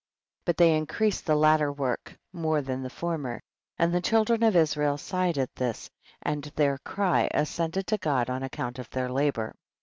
But they increased the latter work more than the former, and the children of Israel sighed at this and their cry ascended to God on account of their labor.